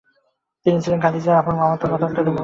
তিনি ছিলেন খাদিজার আপন মামাতো মতান্তরে ফুফাতো ভাই ছিলেন।